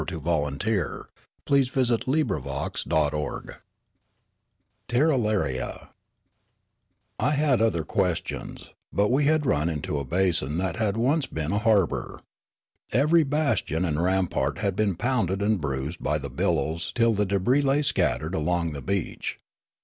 So much for physic." CHAPTER XV TIRRALARIA I HAD other questions; but we had run into a basin that had once been a harbour. Every bastion and rampart had been pounded and bruised by the billows till the debris la}' scattered along the beach.